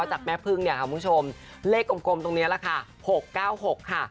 จากแม่พึ่งเนี่ยค่ะคุณผู้ชมเลขกลมตรงนี้แหละค่ะ๖๙๖ค่ะ